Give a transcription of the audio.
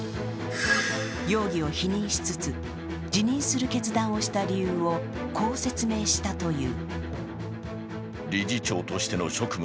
容疑を否認しつつ、辞任する決断をした理由をこう説明したという。